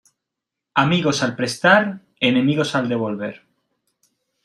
Amigos al prestar, enemigos al devolver.